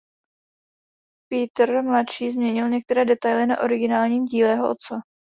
Pieter mladší změnil některé detaily na originálním díle jeho otce.